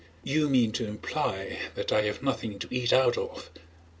"You mean to imply that I have nothing to eat out of....